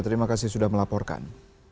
terima kasih sudah melaporkan